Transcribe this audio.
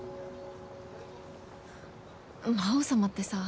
魔王様ってさ